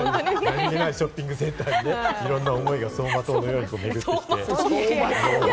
なにげないショッピングセンターに、いろんな思いが走馬灯のように巡って。